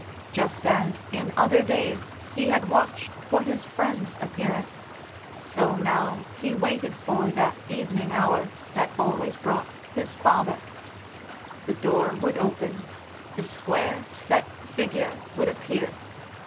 Just as in other days he had watched for his friend's appearance, so now he waited for that evening hour that always brought his father. The door would open, the square, set figure would appear....